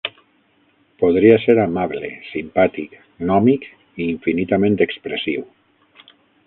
Podria ser amable, simpàtic, gnòmic i infinitament expressiu.